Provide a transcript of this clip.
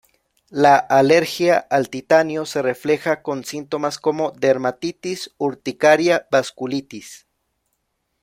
La alergia al titanio se refleja con síntomas como: dermatitis, urticaria, vasculitis.